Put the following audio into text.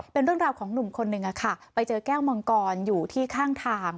เป็นเรื่องราวของหนุ่มคนหนึ่งไปเจอแก้วมังกรอยู่ที่ข้างทาง